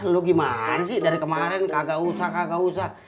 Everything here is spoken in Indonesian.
lo gimana sih dari kemarin kagak usah